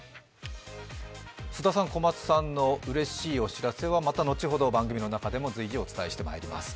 菅田さん、小松さんのうれしいお知らせはまた後ほど番組の中でも随時お伝えしてまいります。